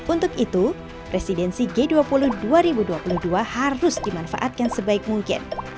untuk itu presidensi g dua puluh dua ribu dua puluh dua harus dimanfaatkan sebaik mungkin